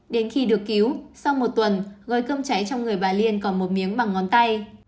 đến khi được cứu sau một tuần người cơm cháy trong người bà liên còn một miếng bằng ngón tay